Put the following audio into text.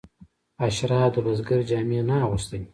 اشراف د بزګر جامې نه اغوستلې.